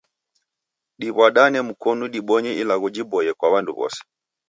Ditw'adane mkonu dibonye ilagho jiboie kwa w'andu w'ose